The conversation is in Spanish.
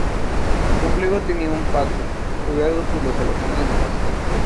El complejo tenía un patio rodeado por los alojamientos.